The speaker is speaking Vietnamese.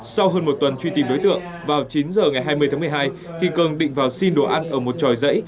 sau hơn một tuần truy tìm đối tượng vào chín giờ ngày hai mươi tháng một mươi hai khi cường định vào xin đồ ăn ở một tròi dãy